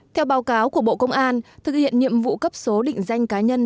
theo báo cáo của bộ công an thực hiện nhiệm vụ cấp số định danh cá nhân